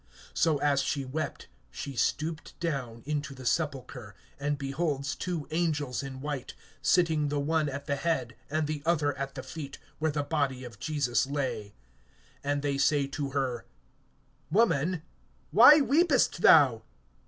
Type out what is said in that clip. So, as she wept, she stooped clown into the sepulchre, (12)and beholds two angels in white, sitting the one at the head and the other at the feet, where the body of Jesus lay. (13)And they say to her: Woman, why weepest thou?